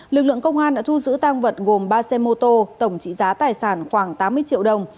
lực lượng công an đã thu giữ tăng vật gồm ba xe mô tô tổng trị giá tài sản khoảng tám mươi triệu đồng